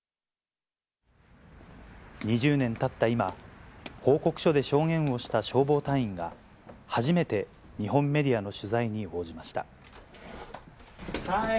２０年たった今、報告書で証言をした消防隊員が、初めて日本メディアの取材に応じました。